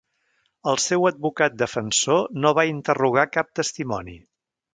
El seu advocat defensor no va interrogar cap testimoni.